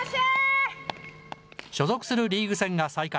所属するリーグ戦が再開。